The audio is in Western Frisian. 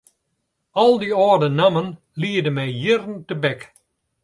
Al dy âlde nammen liede my jierren tebek.